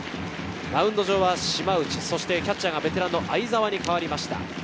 マウンド上は島内、キャッチャーがベテランの會澤に代わりました。